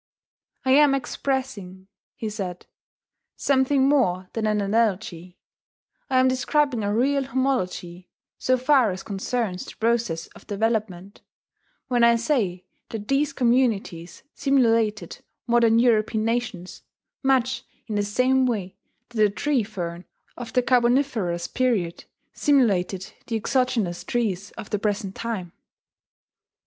"I am expressing," he said, "something more than an analogy, I am describing a real homology so far as concerns the process of development, when I say that these communities simulated modern European nations, much in the same way that a tree fern of the carboniferous period simulated the exogenous trees of the present time."